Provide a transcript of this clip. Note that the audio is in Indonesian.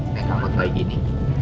nekang buat kayak gini